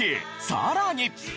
さらに。